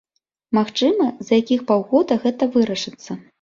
Магчыма, за якіх паўгода гэта вырашыцца.